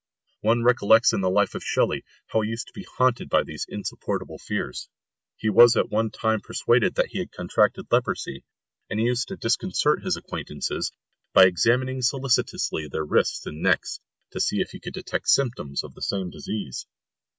One recollects in the life of Shelley, how he used to be haunted by these insupportable fears. He was at one time persuaded that he had contracted leprosy, and he used to disconcert his acquaintances by examining solicitously their wrists and necks to see if he could detect symptoms of the same disease.